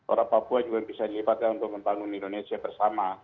orang papua juga bisa dilipatkan untuk membangun indonesia bersama